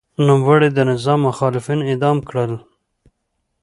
نوموړي د نظام مخالفین اعدام کړل.